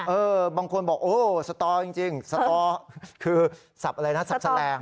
เออบางคนบอกโอ้สตอจริงสตอคือสับอะไรนะสับแสลง